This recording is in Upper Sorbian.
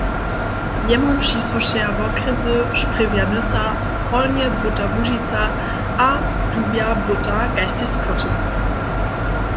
Jemu přisłušeja wokrjesy Sprjewja-Nysa, Hornje Błóta-Łužica a Dubja-Błóta kaž tež Choćebuz.